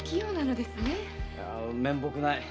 いやぁ面目ない。